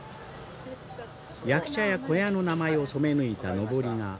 役者や小屋の名前を染め抜いたのぼりがおよそ５００本。